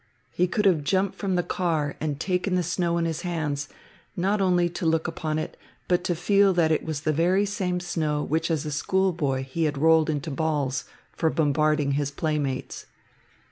He could have jumped from the car and taken the snow in his hands, not only to look upon it, but to feel that it was the very same snow which as a schoolboy he had rolled into balls for bombarding his playmates.